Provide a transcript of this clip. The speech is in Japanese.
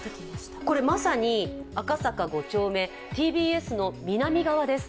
これまさに、赤坂５丁目ＴＢＳの南側です。